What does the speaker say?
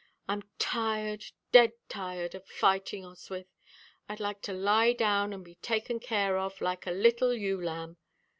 I'm tired, dead tired, of fighting, Oswyth. I'd like to lie down and be taken care of, like a little ewe lamb.